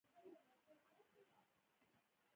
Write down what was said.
سپین غر په ختیځ کې موقعیت لري